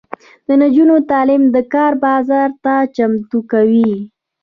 د نجونو تعلیم د کار بازار ته چمتو کوي.